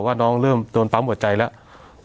ว่าน้องเริ่มโดนปั๊มหัวใจแล้ว